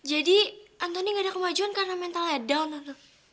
jadi antoni gak ada kemajuan karena mentalnya down